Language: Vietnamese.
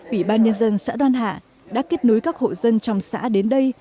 ủy ban nhân dân xã đoàn hạ đã kết nối các hộ dân trong xã đến đây